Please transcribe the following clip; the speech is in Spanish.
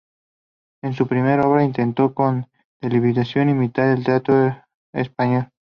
En su primera obra intentó con deliberación imitar el teatro español.